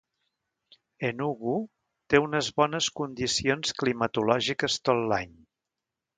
Enugu té unes bones condicions climatològiques tot l'any.